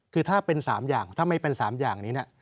คือถ้าเป็น๓อย่างถ้าไม่เป็น๓อย่างนี้เนี่ย